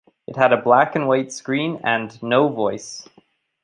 It had a black and white screen and no voice.